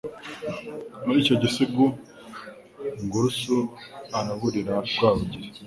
Muri icyo gisigo, Ngurusu araburira Rwabugil